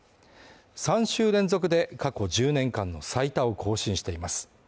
３週連続で過去１０年間の最多を更新しています。